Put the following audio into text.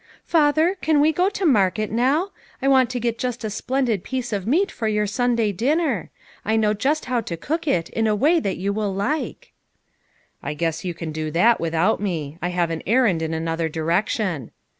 " Father, can we go to market now ? I want to get just a splendid piece of meat for your Sunday dinner. I know just how to cook it in a way that you will like." " I guess you can do that without me ; I have an errand in another direction."